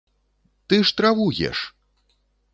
Ты ж траву еш!